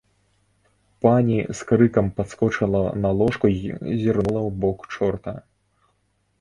Пані з крыкам падскочыла на ложку і зірнула ў бок чорта.